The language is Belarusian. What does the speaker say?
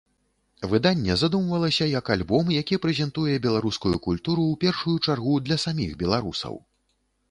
Выданне задумвалася як альбом, які прэзентуе беларускую культуру ў першую чаргу для саміх беларусаў.